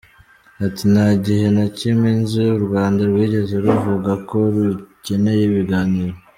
Ati “Nta gihe na kimwe nzi u Rwanda rwigeze ruvuga ko rukeneye ibiganiro.